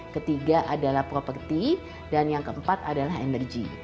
ketiga adalah property dan yang keempat adalah energy